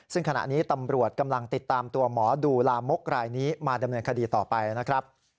ซึ่งขณะนี้ตำรวจกำลังติดตามตัวหมอดูลามกรายนี้มาดำเนินคดีต่อไปนะครับ